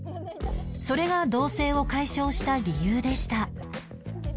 それが同棲を解消した理由でした